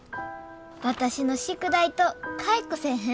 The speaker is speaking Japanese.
私の宿題と換えっこせえへん？